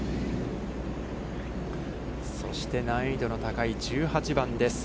そして難易度の高い１８番です。